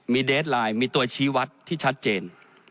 มีเดสไลน์มีตัวชี้วัดที่ชัดเจน